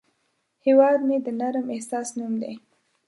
هیواد مې د نرم احساس نوم دی